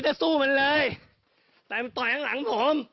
แต่มันต่อยข้างหลังผม